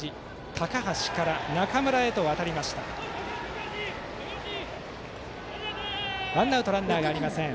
高橋から中村へとわたってワンアウトランナーありません。